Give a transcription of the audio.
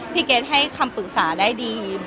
พี่เกดให้คำปรึกษาได้ดีดีมาก